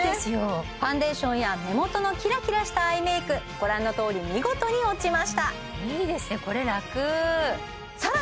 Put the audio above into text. ファンデーションや目元のキラキラしたアイメイクご覧のとおり見事に落ちましたいいですね